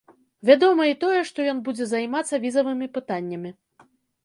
Вядома і тое, што ён будзе займацца візавымі пытаннямі.